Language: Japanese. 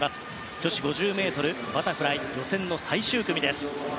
女子５０ｍバタフライの予選最終組です。